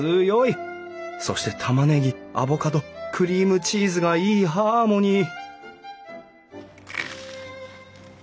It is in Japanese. そしてたまねぎアボカドクリームチーズがいいハーモニー！